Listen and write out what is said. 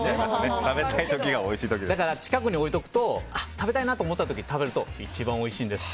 だから、近くに置いておくと食べたいなと思った時に食べると一番おいしいんです。